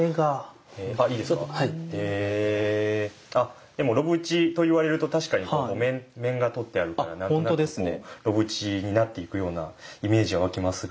あっでも炉縁と言われると確かにここ面が取ってあるから何となくこう炉縁になっていくようなイメージは湧きますが。